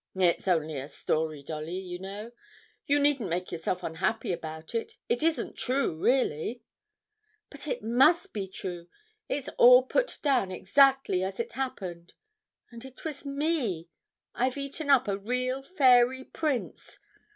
'It's only a story, Dolly, you know; you needn't make yourself unhappy about it it isn't true really.' 'But it must be true, it's all put down exactly as it happened.... And it was me.... I've eaten up a real fairy prince....